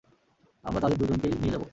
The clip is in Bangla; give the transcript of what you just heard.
আমরা তাদের দুজনকেই নিয়ে যাবো।